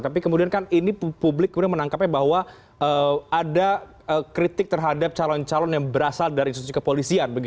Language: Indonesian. tapi kemudian kan ini publik kemudian menangkapnya bahwa ada kritik terhadap calon calon yang berasal dari institusi kepolisian